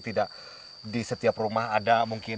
tidak di setiap rumah ada mungkin